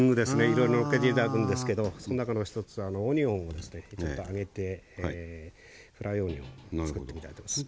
いろいろのっけて頂くんですけどその中の一つオニオンをですねちょっと揚げてフライオニオンを作ってみたいと思います。